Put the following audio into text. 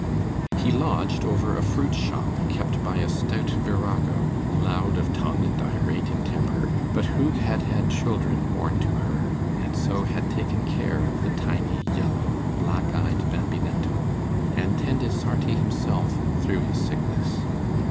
He lodged over a fruit shop kept by a stout virago, loud of tongue and irate in temper, but who had had children born to her, and so had taken care of the tiny yellow, black eyed bambinetto, and tended Sarti himself through his sickness.